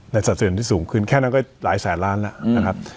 ในสัตว์เศรษฐ์ที่สูงขึ้นแค่นั้นก็จะหลายแสนล้านแล้วอืมนะครับ